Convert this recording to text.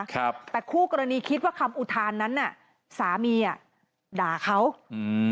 ครับแต่คู่กรณีคิดว่าคำอุทานนั้นน่ะสามีอ่ะด่าเขาอืม